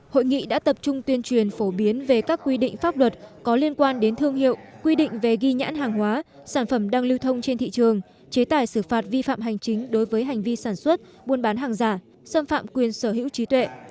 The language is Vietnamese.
hội nghị đã tập trung tuyên truyền phổ biến về các quy định pháp luật có liên quan đến thương hiệu quy định về ghi nhãn hàng hóa sản phẩm đang lưu thông trên thị trường chế tài xử phạt vi phạm hành chính đối với hành vi sản xuất buôn bán hàng giả xâm phạm quyền sở hữu trí tuệ